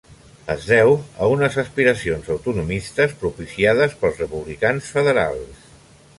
Es deu a unes aspiracions autonomistes propiciades pels republicans federals.